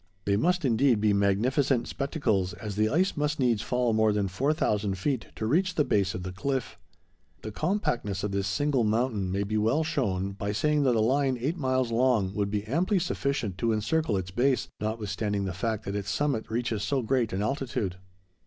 They must indeed be magnificent spectacles, as the ice must needs fall more than 4000 feet to reach the base of the cliff. The compactness of this single mountain may be well shown, by saying that a line eight miles long would be amply sufficient to encircle its base, notwithstanding the fact that its summit reaches so great an altitude. [Illustration: Mount Temple from the Saddle.